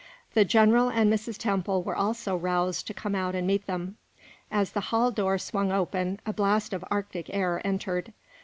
The general and Mrs. Temple were also roused to come out and meet them. As the hall door swung open, a blast of arctic air entered.